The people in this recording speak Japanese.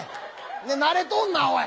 で慣れとんなおい！